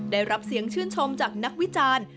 ได้รับเสียงชื่นชมจากนักวิจารณ์